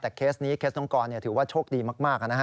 แต่เคสนี้เคสน้องกรถือว่าโชคดีมากนะฮะ